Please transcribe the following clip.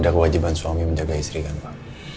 ada kewajiban suami menjaga istri kan pak